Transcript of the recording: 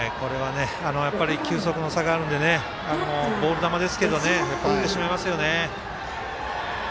やっぱり球速の差があるのでボール球ですけど苦しめますよね。